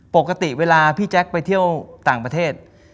ปกติเวลาพี่แจ๊คไปเที่ยวต่างประเทศ